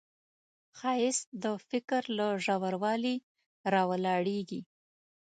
ښایست د فکر له ژوروالي راولاړیږي